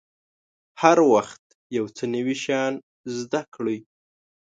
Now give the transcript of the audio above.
هر وخت یو څه نوي شیان زده کړئ.